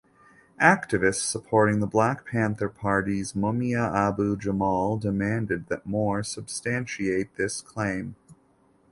Activists supporting the Black Panther Party's Mumia Abu-Jamal demanded that Moore substantiate this claim.